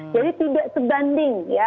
jadi tidak sebanding